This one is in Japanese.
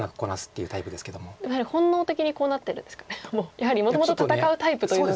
やはりもともと戦うタイプというのがあって。